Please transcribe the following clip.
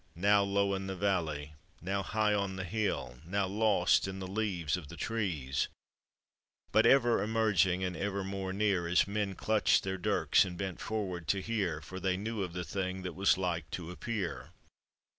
] Now low in the valley, now high on the hill, Now lost in the leaves of the trees ; But ever emerging, and ever more near As men clutched their dirks and bent fo'rward to hear, For they knew of the thing that was like to appear.